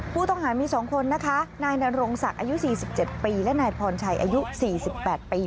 ผู้ต้องหามี๒คนนะคะนายนรงศักดิ์อายุ๔๗ปีและนายพรชัยอายุ๔๘ปี